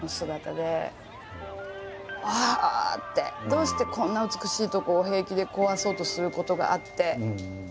どうしてこんな美しい所を平気で壊そうとすることがあって。